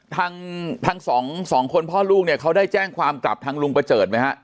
ทั้งสองสองคนพ่อลูกเนี่ยเขาได้แจ้งความกลับทางลุงประเจิดไหมฮะ